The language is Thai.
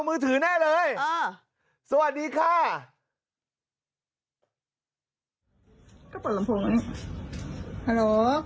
มือถือลูกค้าสล้ำทหาร